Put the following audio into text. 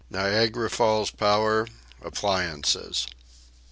NIAGARA FALLS POWER APPLIANCES.